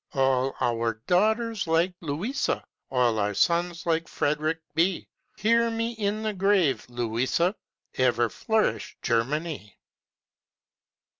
All our daughters like Louisa, All our sons like Frederick be! Hear me in the grave, Louisa! Ever flourish Germany!